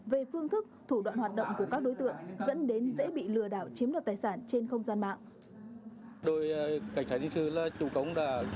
về phương thức thủ đoạn hoạt động của các đối tượng dẫn đến dễ bị lừa đảo chiếm đoạt tài sản trên không gian mạng